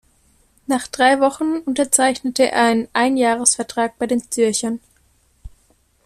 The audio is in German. Nach drei Wochen unterzeichnete er einen Einjahresvertrag bei den Zürchern.